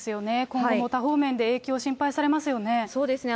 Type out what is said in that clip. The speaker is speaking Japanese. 今後も多方面で影響が心配されますよね。